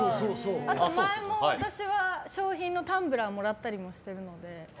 あと、前も私タンブラーをもらったりしてるので。